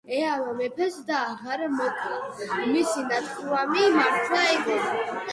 ეამა მეფეს და აღარ მოკლა. მისი ნათქვამი მართალი ეგონა.